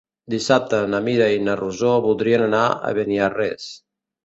Dissabte na Mira i na Rosó voldrien anar a Beniarrés.